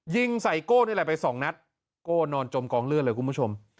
ยิงใส่โก้นี่แหละไปสองนัดโก้นอนจมกองเลือดเลยคุณผู้ชม